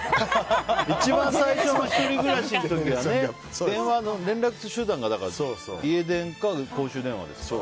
一番最初の１人暮らしの時電話、連絡手段が家電か公衆電話ですから。